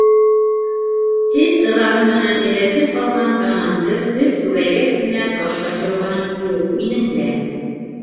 Эт ыҙаһы менән өйрәтеп алған танамды һөт күбәйгәс кенә ташлай торғаным юҡ минең дә!